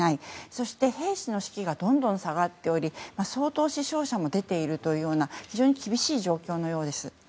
そして、兵士の士気がどんどん下がっており相当、死傷者も出ているというような非常に厳しい状況のようです。